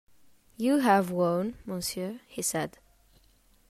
"You have won, monsieur," he said.